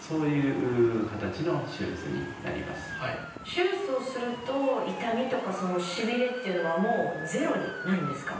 手術をすると痛みとかしびれっていうのはもうゼロになるんですか？